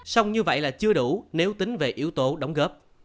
xong như vậy là chưa đủ nếu tính về yếu tố đóng góp